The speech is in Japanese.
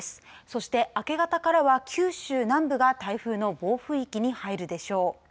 そして明け方からは九州南部が台風の暴風域に入るでしょう。